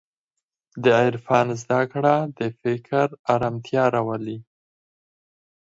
د عرفان زدهکړه د فکر ارامتیا راولي.